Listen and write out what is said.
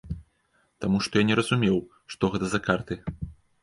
Таму што я не разумеў, што гэта за карты.